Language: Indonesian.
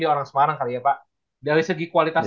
orang semarang kali ya pak dari segi kualitas